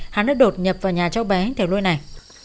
hắn đã đột nhập vào nhà cháu bé theo lôi này